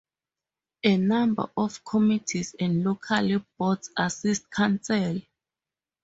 A number of Committees and local Boards assist Council.